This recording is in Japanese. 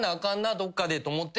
どっかでと思ってて。